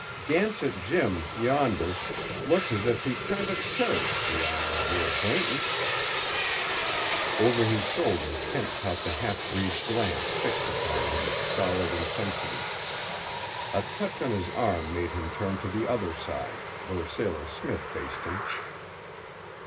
"Gansett Jim, yonder, looks as if he kinder cherished the honor of your acquaintance." Over his shoulder Kent caught the half breed's glance fixed upon him with stolid intensity. A touch on his arm made him turn to the other side, where Sailor Smith faced him.